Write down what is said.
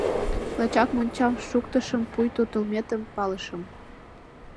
— Лачак мончам шуктышым, пуйто толметым палышым.